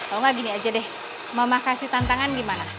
kalau gak gini aja deh mama kasih tantangan gimana